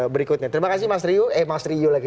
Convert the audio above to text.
berikutnya terima kasih mas ryu eh mas ryu lagi